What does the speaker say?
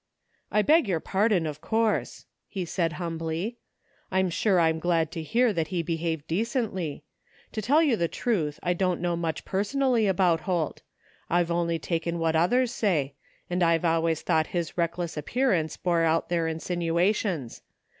I beg your pardon, of course,'' he said humbly. I'm sure I'm glad to hear that he behaved decently. To tell you the truth I don't know much personally about Holt I've only taken what others say; and I've always thought his reckless appearance bore out their insinuations.